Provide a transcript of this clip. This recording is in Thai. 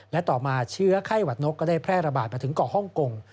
และต่อมาเชื้อไข้หวัดนกก็ได้แพร่ระบาดมาถึงเกาะฮ่องกง